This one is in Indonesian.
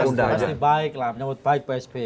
menyambut baik pak sby